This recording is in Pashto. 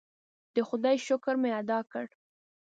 د خدای شکر مې ادا کړ.